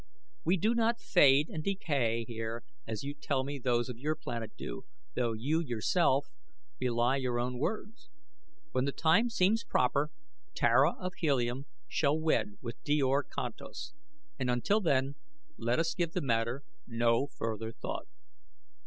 We do not fade and decay here as you tell me those of your planet do, though you, yourself, belie your own words. When the time seems proper Tara of Helium shall wed with Djor Kantos, and until then let us give the matter no further thought."